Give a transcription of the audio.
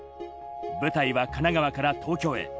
舞台は神奈川から東京へ。